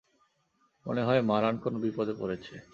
মনে হয় মারান কোনো বিপদে পড়েছে।